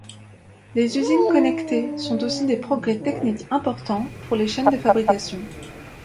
Les usines connectées sont aussi des progrès techniques importants pour les chaines de fabrication.